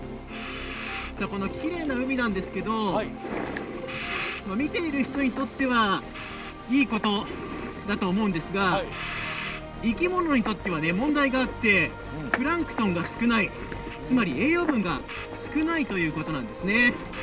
このきれいな海なんですけど見ている人にとってはいいことだと思うんですが生き物にとっては問題があってプランクトンが少ないつまり栄養分が少ないということなんですね。